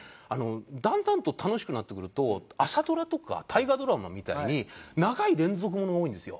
だんだんと楽しくなってくると朝ドラとか大河ドラマみたいに長い連続ものが多いんですよ。